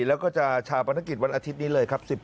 แล้วก็จะชาปนกิจวันอาทิตย์นี้เลยครับ